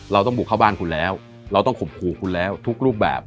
เราต้องบุกเข้าบ้านคุณแล้วเราต้องข่มขู่คุณแล้วทุกรูปแบบ